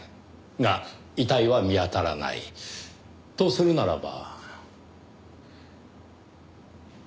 が遺体は見当たらない。とするならば。